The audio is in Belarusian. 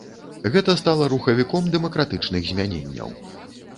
Гэта стала рухавіком дэмакратычных змяненняў.